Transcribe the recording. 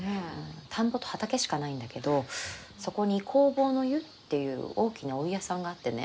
田んぼと畑しかないんだけどそこに弘法湯っていう大きなお湯屋さんがあってね。